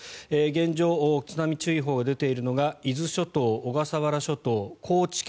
現状、津波注意報が出ているのが伊豆諸島、小笠原諸島高知県